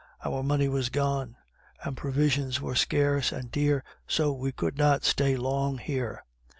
Our money was gone, and provisions were scarce and dear, so we could not stay long here.